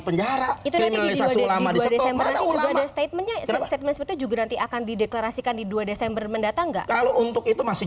penjara itu nanti juga nanti akan dideklarasikan di dua desember mendatang gak kalau untuk itu masih